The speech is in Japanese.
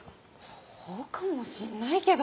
そうかもしんないけど。